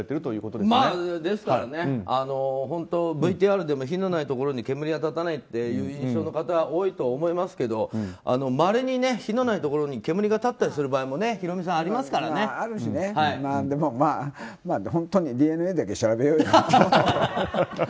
ですからね、本当ＶＴＲでも火のないところに煙は立たないという印象の方、多いと思いますけどまれに火のないところに煙が立つ場合も本当にＤＮＡだけ調べようよ。